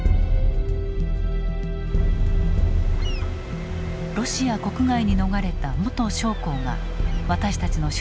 ロシア国外に逃れた元将校が私たちの取材に応じた。